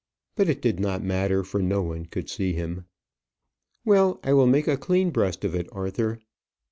But it did not matter; for no one could see him. "Well, I will make a clean breast of it, Arthur.